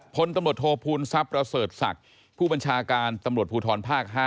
พลตำรวจโทษภูมิทรัพย์ประเสริฐศักดิ์ผู้บัญชาการตำรวจภูทรภาค๕